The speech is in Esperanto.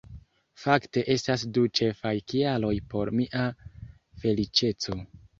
Fakte estas du ĉefaj kialoj por mia feliĉeco